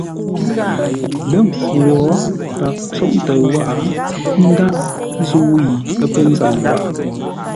Lə́ mpfu wo; paghʼə tsóʼ ntəʉ wághʼə ə́ ndághʼ zə̂u yi pə́ nzâŋ wághʼə.